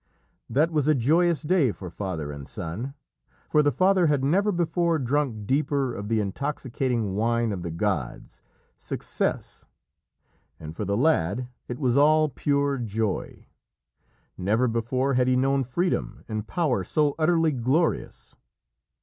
That was a joyous day for father and son, for the father had never before drunk deeper of the intoxicating wine of the gods Success and for the lad it was all pure joy. Never before had he known freedom and power so utterly glorious.